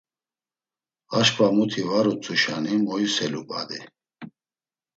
Aşǩva muti va utzuşani moiselu badi.